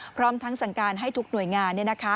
พร้อมทั้งสั่งการให้ทุกหน่วยงาน